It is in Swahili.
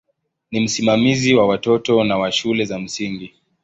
Ni msimamizi wa watoto na wa shule za msingi.